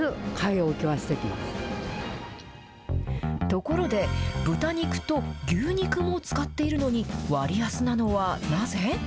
ところで、豚肉と牛肉も使っているのに、割安なのはなぜ？